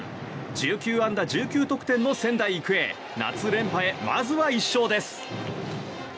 １９安打１９得点の仙台育英夏連覇へまずは１勝です。